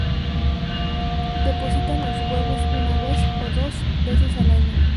Depositan los huevos una vez o dos veces al año.